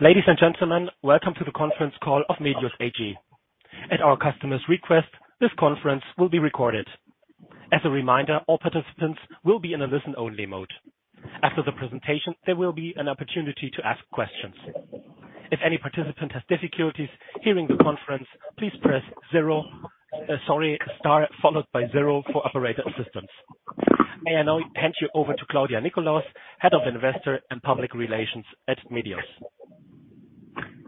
Ladies and gentlemen, welcome to the conference call of Medios AG. At our customer's request, this conference will be recorded. As a reminder, all participants will be in a listen-only mode. After the presentation, there will be an opportunity to ask questions. If any participant has difficulties hearing the conference, please press star followed by zero for operator assistance. May I now hand you over to Claudia Nickolaus, Head of Investor and Public Relations at Medios.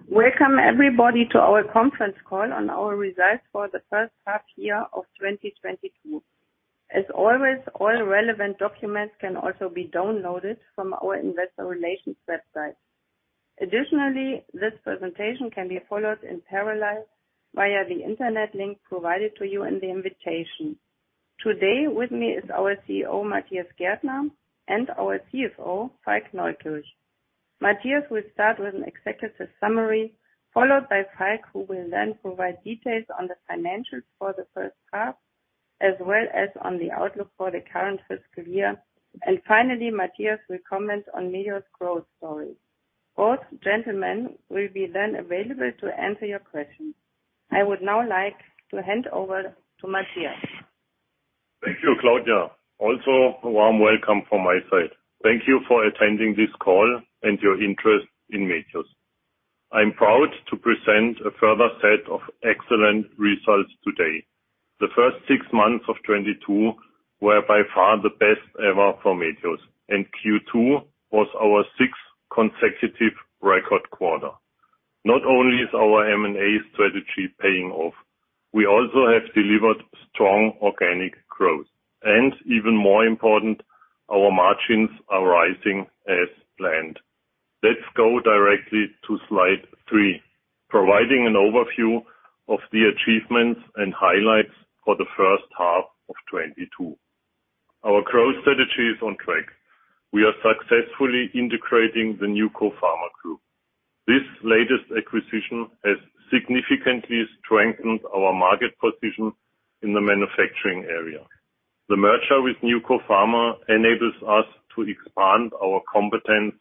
Welcome everybody to our conference call on our results for the first half year of 2022. As always, all relevant documents can also be downloaded from our investor relations website. Additionally, this presentation can be followed in parallel via the internet link provided to you in the invitation. Today, with me is our CEO, Matthias Gärtner, and our CFO, Falk Neukirch. Matthias will start with an executive summary, followed by Falk, who will then provide details on the financials for the first half, as well as on the outlook for the current fiscal year. Finally, Matthias will comment on Medios' growth story. Both gentlemen will be then available to answer your questions. I would now like to hand over to Matthias. Thank you, Claudia. Also, a warm welcome from my side. Thank you for attending this call and your interest in Medios. I'm proud to present a further set of excellent results today. The first six months of 2022 were by far the best ever for Medios, and Q2 was our sixth consecutive record quarter. Not only is our M&A strategy paying off, we also have delivered strong organic growth. Even more important, our margins are rising as planned. Let's go directly to slide three, providing an overview of the achievements and highlights for the first half of 2022. Our growth strategy is on track. We are successfully integrating the NewCo Pharma Group. This latest acquisition has significantly strengthened our market position in the manufacturing area. The merger with NewCo Pharma enables us to expand our competence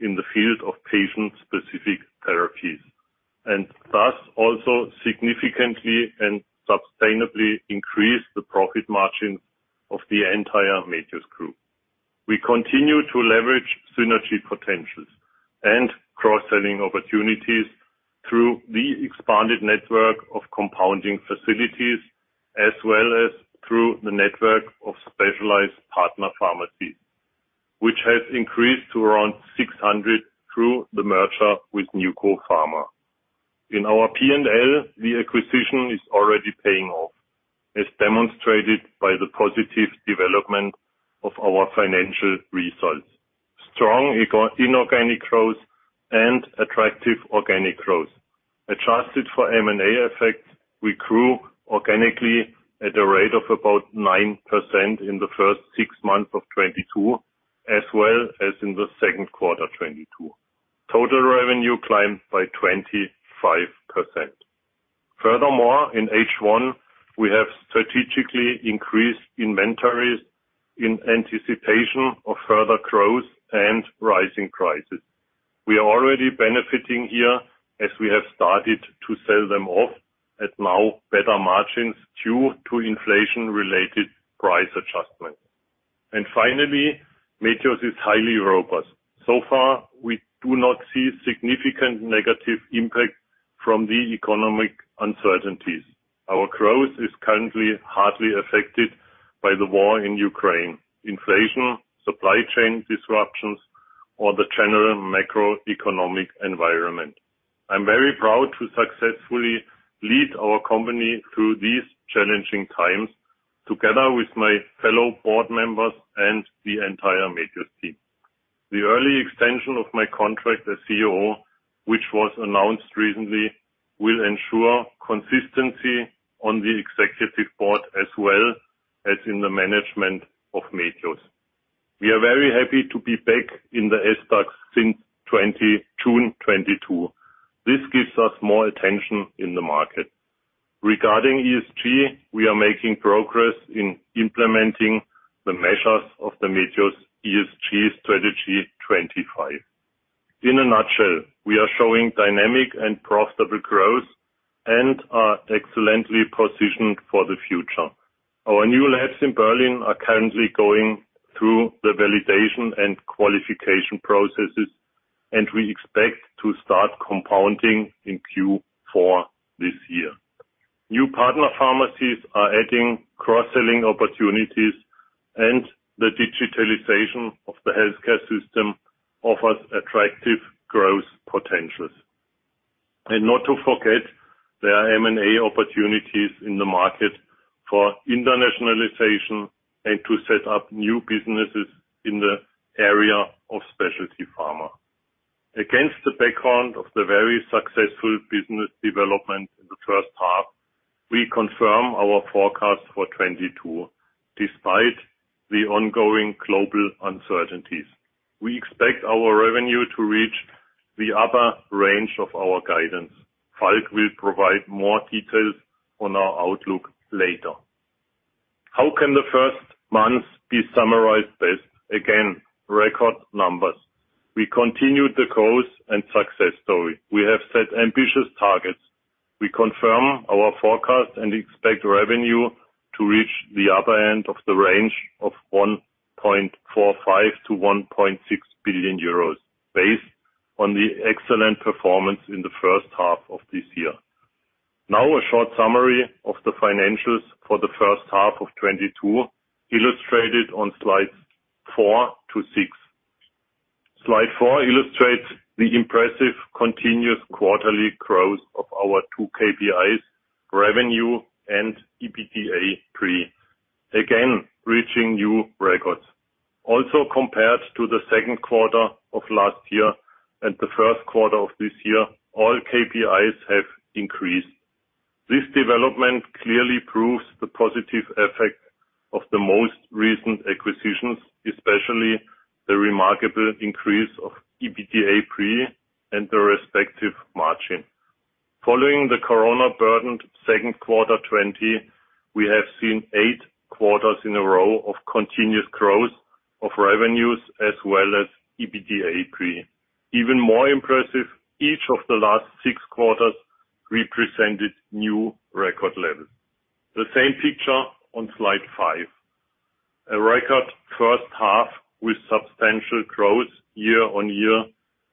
in the field of patient-specific therapies, and thus also significantly and sustainably increase the profit margin of the entire Medios group. We continue to leverage synergy potentials and cross-selling opportunities through the expanded network of compounding facilities as well as through the network of specialized partner pharmacies, which has increased to around 600 through the merger with NewCo Pharma. In our P&L, the acquisition is already paying off, as demonstrated by the positive development of our financial results. Strong inorganic growth and attractive organic growth. Adjusted for M&A effects, we grew organically at a rate of about 9% in the first six months of 2022, as well as in the second quarter, 2022. Total revenue climbed by 25%. Furthermore, in H1, we have strategically increased inventories in anticipation of further growth and rising prices. We are already benefiting here as we have started to sell them off at now better margins due to inflation-related price adjustments. Finally, Medios is highly robust. So far, we do not see significant negative impact from the economic uncertainties. Our growth is currently hardly affected by the war in Ukraine, inflation, supply chain disruptions, or the general macroeconomic environment. I'm very proud to successfully lead our company through these challenging times, together with my fellow board members and the entire Medios team. The early extension of my contract as CEO, which was announced recently, will ensure consistency on the executive board as well as in the management of Medios. We are very happy to be back in the SDAX since June 2022. This gives us more attention in the market. Regarding ESG, we are making progress in implementing the measures of the Medios ESG strategy 2025. In a nutshell, we are showing dynamic and profitable growth and are excellently positioned for the future. Our new labs in Berlin are currently going through the validation and qualification processes, and we expect to start compounding in Q4 this year. New partner pharmacies are adding cross-selling opportunities, and the digitalization of the healthcare system offers attractive growth potentials. Not to forget, there are M&A opportunities in the market for internationalization and to set up new businesses in the area of specialty pharma. Against the background of the very successful business development in the first half, we confirm our forecast for 2022, despite the ongoing global uncertainties. We expect our revenue to reach the upper range of our guidance. Falk will provide more details on our outlook later. How can the first months be summarized best? Again, record numbers. We continued the course and success story. We have set ambitious targets. We confirm our forecast and expect revenue to reach the upper end of the range of 1.45 billion-1.6 billion euros based on the excellent performance in the first half of this year. Now a short summary of the financials for the first half of 2022, illustrated on slides four to six. Slide four illustrates the impressive continuous quarterly growth of our two KPIs, revenue and EBITDA pre, again, reaching new records. Also compared to the second quarter of last year and the first quarter of this year, all KPIs have increased. This development clearly proves the positive effect of the most recent acquisitions, especially the remarkable increase of EBITDA pre and the respective margin. Following the corona-burdened second quarter 2020, we have seen eight quarters in a row of continuous growth of revenues as well as EBITDA pre. Even more impressive, each of the last six quarters represented new record levels. The same picture on slide five. A record first half with substantial growth year-over-year,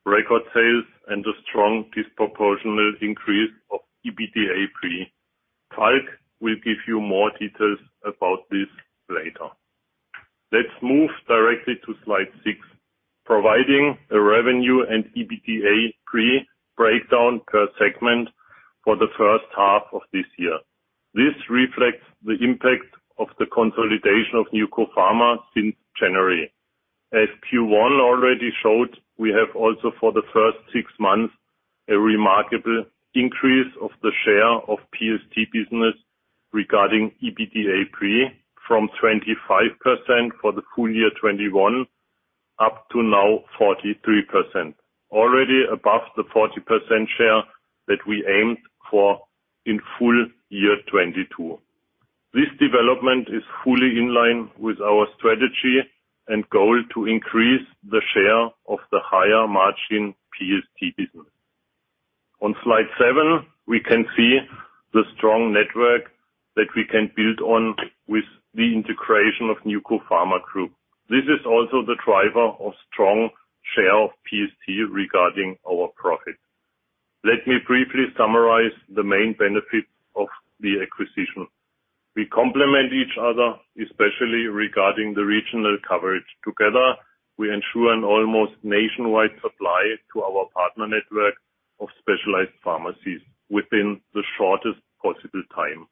record sales and a strong disproportional increase of EBITDA pre. Falk will give you more details about this later. Let's move directly to slide six, providing a revenue and EBITDA pre-breakdown per segment for the first half of this year. This reflects the impact of the consolidation of NewCo Pharma since January. As Q1 already showed, we have also for the first six months, a remarkable increase of the share of PST business regarding EBITDA pre from 25% for the full year 2021, up to now 43%, already above the 40% share that we aimed for in full year 2022. This development is fully in line with our strategy and goal to increase the share of the higher margin PST business. On slide seven, we can see the strong network that we can build on with the integration of NewCo Pharma Group. This is also the driver of strong share of PST regarding our profits. Let me briefly summarize the main benefits of the acquisition. We complement each other, especially regarding the regional coverage. Together, we ensure an almost nationwide supply to our partner network of specialized pharmacies within the shortest possible time.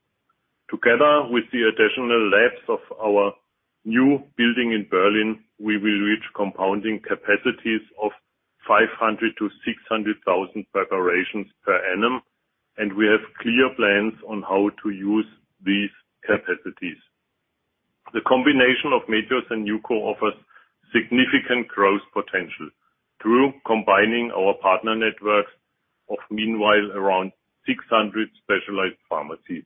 Together with the additional labs of our new building in Berlin, we will reach compounding capacities of 500,000-600,000 preparations per annum, and we have clear plans on how to use these capacities. The combination of Medios and NewCo offers significant growth potential through combining our partner networks of meanwhile around 600 specialized pharmacies,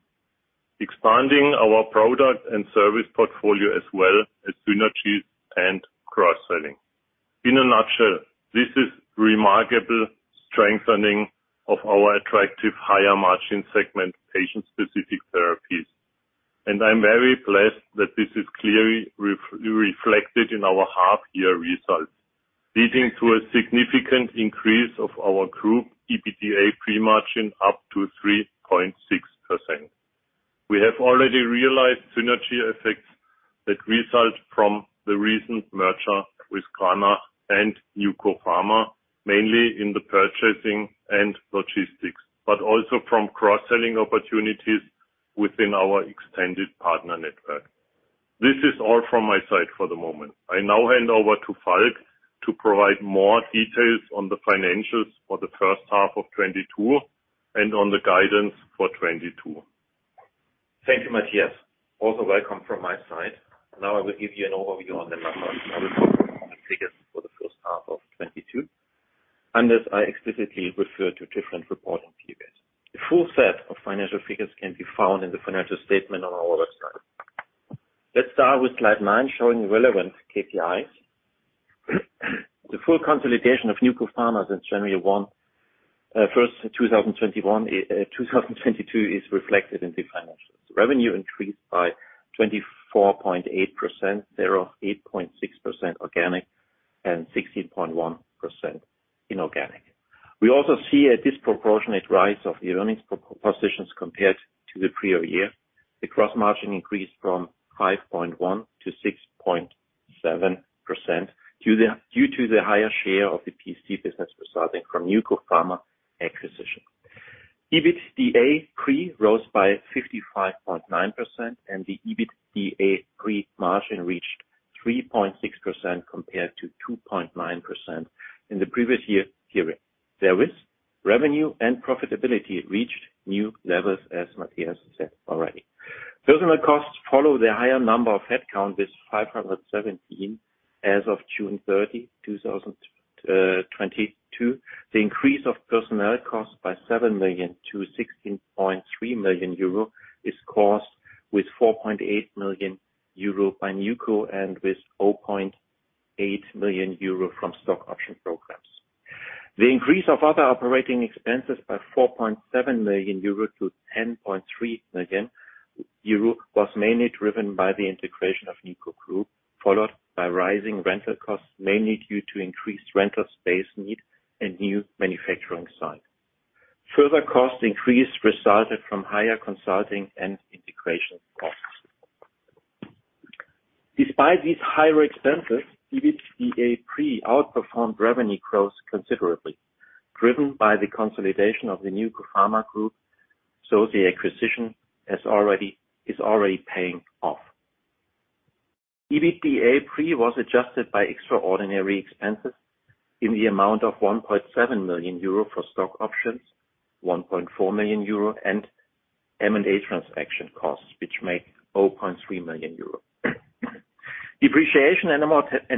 expanding our product and service portfolio as well as synergies and cross-selling. In a nutshell, this is remarkable strengthening of our attractive higher margin segment patient-specific therapies. I'm very blessed that this is clearly reflected in our half year results, leading to a significant increase of our group EBITDA pre-margin up to 3.6%. We have already realized synergy effects that result from the recent merger with Cranach and NewCo Pharma, mainly in the purchasing and logistics, but also from cross-selling opportunities within our extended partner network. This is all from my side for the moment. I now hand over to Falk to provide more details on the financials for the first half of 2022 and on the guidance for 2022. Thank you, Matthias. Also welcome from my side. Now I will give you an overview on the numbers and other common figures for the first half of 2022. Unless I explicitly refer to different reporting periods. The full set of financial figures can be found in the financial statement on our website. Let's start with slide nine, showing relevant KPIs. The full consolidation of NewCo Pharma since January 1, 2022 is reflected in the financials. Revenue increased by 24.8%, thereof 8.6% organic, and 16.1% inorganic. We also see a disproportionate rise of earnings proportions compared to the prior year. The gross margin increased from 5.1%-6.7%, due to the higher share of the PST business resulting from NewCo Pharma acquisition. EBITDA pre rose by 55.9%, and the EBITDA pre-margin reached 3.6% compared to 2.9% in the previous year period. The revenue and profitability reached new levels, as Matthias said already. Personnel costs followed the higher number of headcount with 517 as of June 30, 2022, the increase of personnel costs by 7 million-16.3 million euro is caused with 4.8 million euro by NewCo and with 0.8 million euro from stock option programs. The increase of other operating expenses by 4.7 million-10.3 million euro was mainly driven by the integration of NewCo Group, followed by rising rental costs, mainly due to increased rental space need and new manufacturing site. Further cost increase resulted from higher consulting and integration costs. Despite these higher expenses, EBITDA pre outperformed revenue growth considerably, driven by the consolidation of the NewCo Pharma Group. The acquisition is already paying off. EBITDA pre was adjusted by extraordinary expenses in the amount of 1.7 million euro for stock options, 1.4 million euro, and M&A transaction costs, which made 0.3 million euro. Depreciation and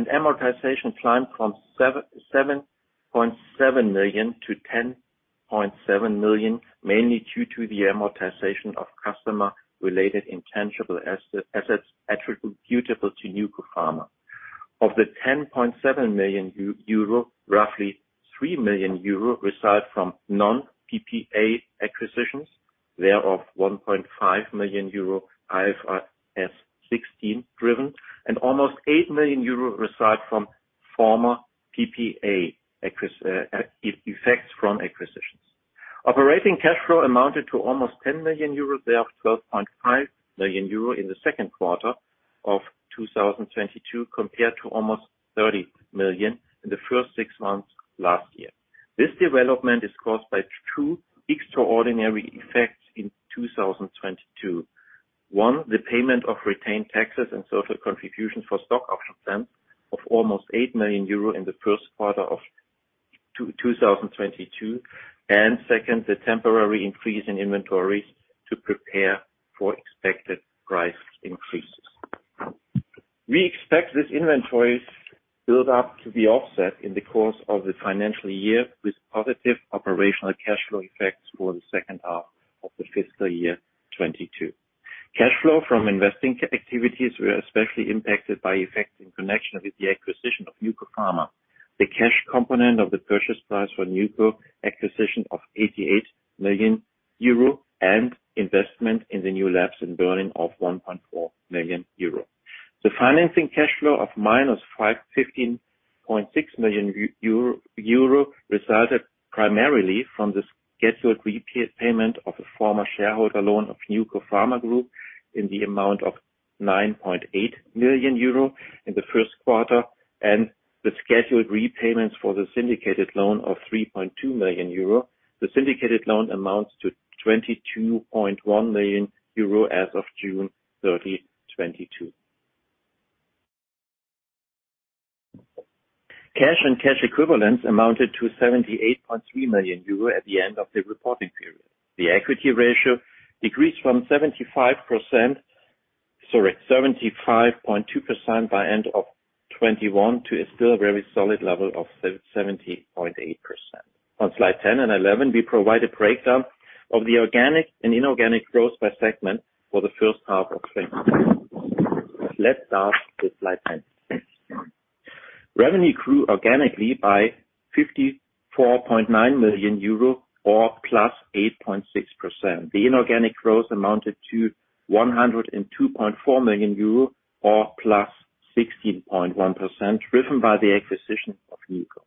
amortization climbed from 7.7 million-10.7 million, mainly due to the amortization of customer-related intangible assets attributable to NewCo Pharma. Of the 10.7 million euro, roughly 3 million euro reside from non-PPA acquisitions, thereof 1.5 million euro IFRS 16 driven, and almost 8 million euro reside from former PPA effects from acquisitions. Operating cash flow amounted to almost 10 million euros, thereof 12.5 million euro in the second quarter of 2022, compared to almost 30 million in the first six months last year. This development is caused by two extraordinary effects in 2022. One, the payment of retained taxes and social contributions for stock option plans of almost 8 million euro in the first quarter of 2022. Second, the temporary increase in inventories to prepare for expected price increases. We expect these inventories build up to be offset in the course of the financial year with positive operational cash flow effects for the second half of the fiscal year 2022. Cash flow from investing activities were especially impacted by effects in connection with the acquisition of NewCo Pharma, the cash component of the purchase price for NewCo acquisition of 88 million euro and investment in the new labs in Berlin of 1.4 million euro. The financing cash flow of -15.6 million euro resulted primarily from the scheduled repayment of a former shareholder loan of NewCo Pharma Group in the amount of 9.8 million euro in the first quarter and the scheduled repayments for the syndicated loan of 3.2 million euro. The syndicated loan amounts to 22.1 million euro as of June 30, 2022. Cash and cash equivalents amounted to 78.3 million euro at the end of the reporting period. The equity ratio decreased from 75%, sorry, 75.2% by end of 2021 to a still very solid level of 70.8%. On slide 10 and 11, we provide a breakdown of the organic and inorganic growth by segment for the first half of 2022. Let's start with slide 10. Revenue grew organically by 54.9 million euro or +8.6%. The inorganic growth amounted to 102.4 million euro, or +16.1%, driven by the acquisition of NewCo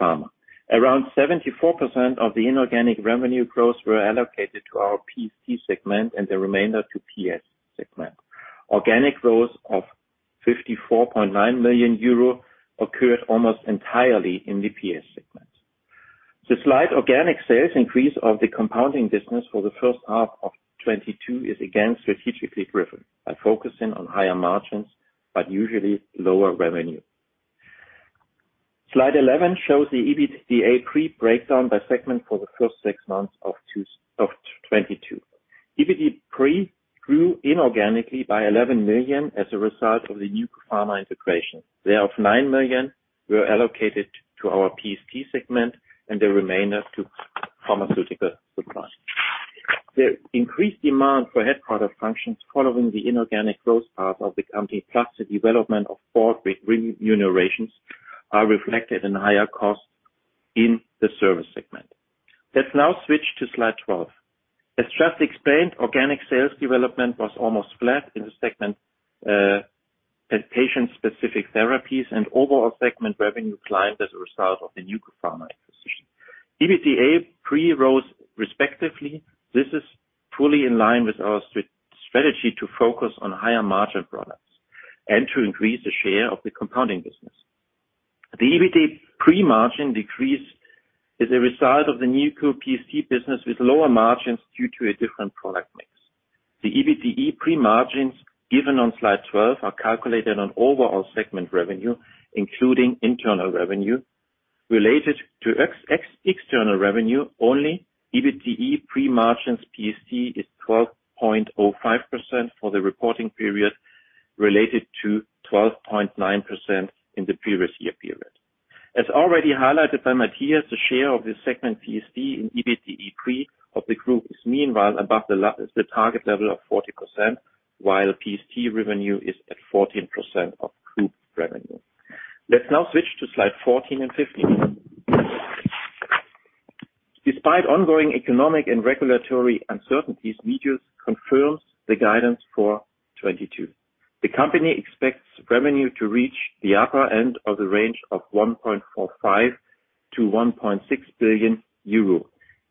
Pharma. Around 74% of the inorganic revenue growth were allocated to our PST segment and the remainder to PS segment. Organic growth of 54.9 million euro occurred almost entirely in the PS segment. The slight organic sales increase of the compounding business for the first half of 2022 is again strategically driven by focusing on higher margins, but usually lower revenue. Slide 11 shows the EBITDA pre-breakdown by segment for the first six months of 2022. EBITDA pre grew inorganically by 11 million as a result of the NewCo Pharma integration, thereof 9 million were allocated to our PST segment and the remainder to pharmaceutical supply. The increased demand for headquarter functions following the inorganic growth path of the company, plus the development of board remunerations, are reflected in higher costs in the service segment. Let's now switch to slide 12. As just explained, organic sales development was almost flat in the segment, at patient-specific therapies and overall segment revenue climbed as a result of the NewCo Pharma acquisition. EBITDA pre rose respectively. This is fully in line with our strategy to focus on higher margin products and to increase the share of the compounding business. The EBITDA pre-margin decrease is a result of the NewCo PST business with lower margins due to a different product mix. The EBITDA pre-margins given on slide 12 are calculated on overall segment revenue, including internal revenue. Related to external revenue only, EBITDA pre-margins PST is 12.05% for the reporting period. Related to 12.9% in the previous year period. As already highlighted by Matthias, the share of the segment PST in EBITDA pre of the group is meanwhile above the target level of 40%, while PST revenue is at 14% of group revenue. Let's now switch to slide 14 and 15. Despite ongoing economic and regulatory uncertainties, Medios confirms the guidance for 2022. The company expects revenue to reach the upper end of the range of 1.45 billion-1.6 billion euro.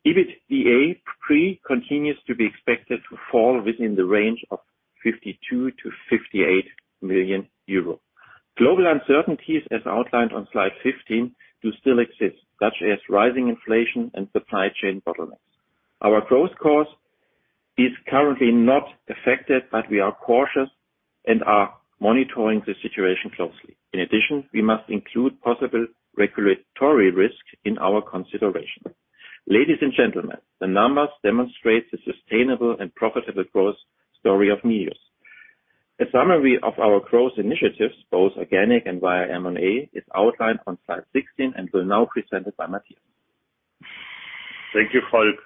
EBITDA pre continues to be expected to fall within the range of 52 million-58 million euro. Global uncertainties, as outlined on slide 15, do still exist, such as rising inflation and supply chain bottlenecks. Our growth course is currently not affected, but we are cautious and are monitoring the situation closely. In addition, we must include possible regulatory risks in our consideration. Ladies and gentlemen, the numbers demonstrate the sustainable and profitable growth story of Medios. A summary of our growth initiatives, both organic and via M&A, is outlined on slide 16 and will now be presented by Matthias. Thank you, Falk.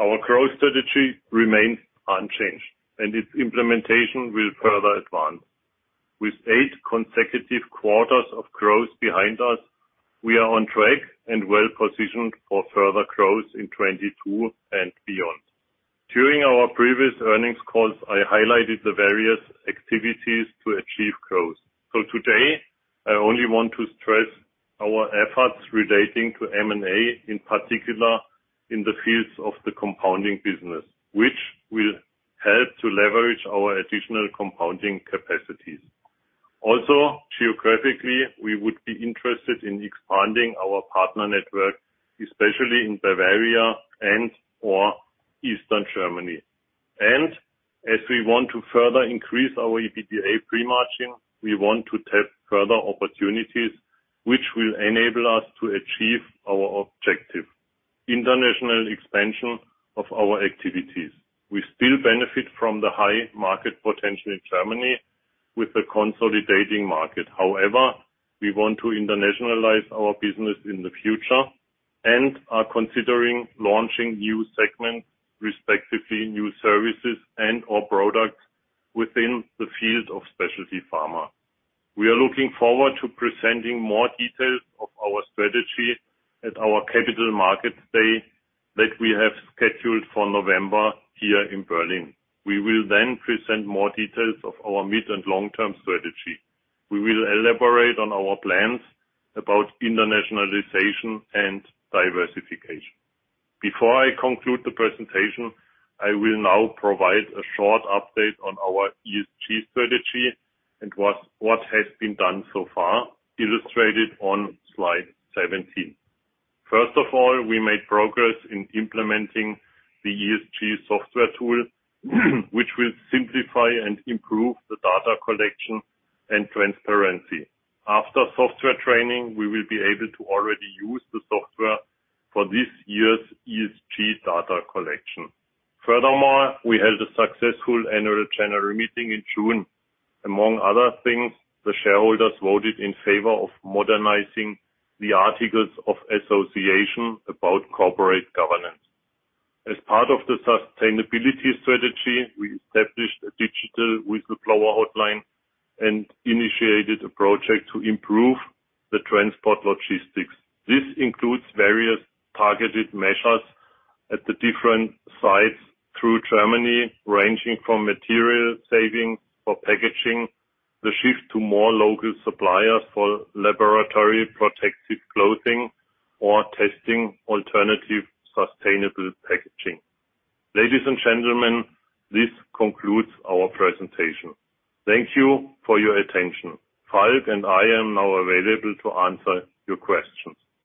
Our growth strategy remains unchanged, and its implementation will further advance. With eight consecutive quarters of growth behind us, we are on track and well-positioned for further growth in 2022 and beyond. During our previous earnings calls, I highlighted the various activities to achieve growth. Today, I only want to stress our efforts relating to M&A, in particular in the fields of the compounding business, which will help to leverage our additional compounding capacities. Also, geographically, we would be interested in expanding our partner network, especially in Bavaria and/or Eastern Germany. As we want to further increase our EBITDA pre, we want to test further opportunities which will enable us to achieve our objective, international expansion of our activities. We still benefit from the high market potential in Germany with the consolidating market. However, we want to internationalize our business in the future and are considering launching new segments, respectively, new services and/or products within the field of specialty pharma. We are looking forward to presenting more details of our strategy at our Capital Markets Day that we have scheduled for November here in Berlin. We will then present more details of our mid- and long-term strategy. We will elaborate on our plans about internationalization and diversification. Before I conclude the presentation, I will now provide a short update on our ESG strategy and what has been done so far, illustrated on slide 17. First of all, we made progress in implementing the ESG software tool, which will simplify and improve the data collection and transparency. After software training, we will be able to already use the software for this year's ESG data collection. Furthermore, we held a successful annual general meeting in June. Among other things, the shareholders voted in favor of modernizing the articles of association about corporate governance. As part of the sustainability strategy, we established a digital whistleblower hotline and initiated a project to improve the transport logistics. This includes various targeted measures at the different sites through Germany, ranging from material savings for packaging, the shift to more local suppliers for laboratory protective clothing or testing alternative sustainable packaging. Ladies and gentlemen, this concludes our presentation. Thank you for your attention. Falk and I am now available to answer your questions.